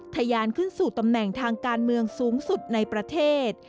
ทยานขึ้นสู่ตำแหน่งทางการเมืองสูงสุดในประเทศ